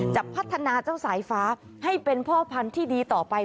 จะพัฒนาเจ้าสายฟ้าให้เป็นพ่อพันธุ์ที่ดีต่อไป